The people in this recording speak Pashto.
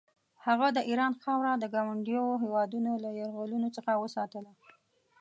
هغه د ایران خاوره د ګاونډیو هېوادونو له یرغلونو څخه وساتله.